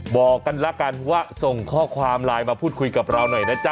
บอกกันแล้วกันว่าส่งข้อความไลน์มาพูดคุยกับเราหน่อยนะจ๊